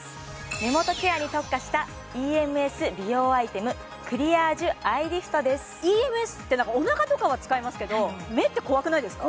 目元ケアに特化したＥＭＳ美容アイテムクリアージュアイリフトですＥＭＳっておなかとかは使いますけど目って怖くないですか？